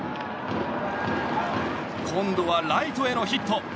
今度はライトへのヒット。